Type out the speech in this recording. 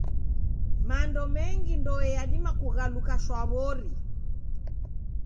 Mando mengi ndoe yadima kughaluka shwaw'ori.